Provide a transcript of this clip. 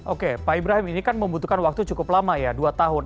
oke pak ibrahim ini kan membutuhkan waktu cukup lama ya dua tahun